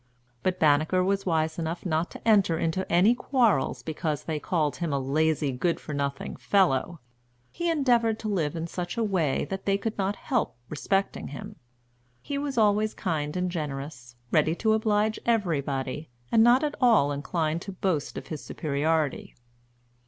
But Banneker was wise enough not to enter into any quarrels because they called him a lazy, good for nothing fellow. He endeavored to live in such a way that they could not help respecting him. He was always kind and generous, ready to oblige everybody, and not at all inclined to boast of his superiority.